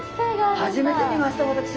初めて見ました私も。